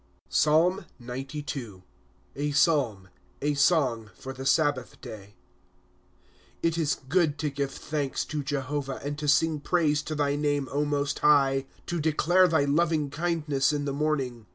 PSALMXCII. A Psalm. A Song for the Sabbath Day. 1 It is good to give thanks to Jehovah, And to sing praise to thy name, Most High ;^ To declare thy loving kindness in the morning.